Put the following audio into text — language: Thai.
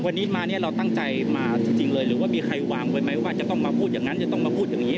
วันนี้มาเนี่ยเราตั้งใจมาจริงเลยหรือว่ามีใครวางไว้ไหมว่าจะต้องมาพูดอย่างนั้นจะต้องมาพูดอย่างนี้